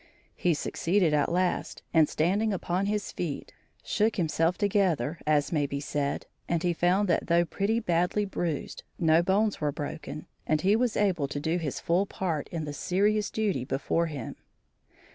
He succeeded at last, and, standing upon his feet, shook himself together, as may be said, and he found that though pretty badly bruised, no bones were broken, and he was able to do his full part in the serious duty before him.